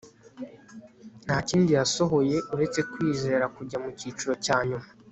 nta kindi yasohoye uretse kwizera kujya mu cyiciro cya nyuma